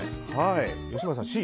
吉村さん、Ｃ。